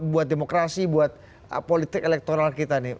buat demokrasi buat politik elektoral kita nih